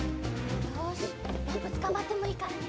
よしロープつかまってもいいからね。